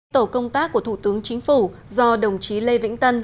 tổ công tác của thủ tướng chính phủ do đồng chí lê vĩnh tân